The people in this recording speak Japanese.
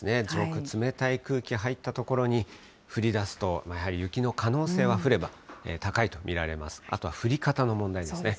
上空、冷たい空気入った所に、降りだすと、やはり雪の可能性は、降れば高いと見られます。